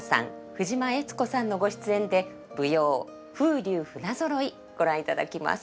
藤間恵都子さんのご出演で舞踊「風流船揃」ご覧いただきます。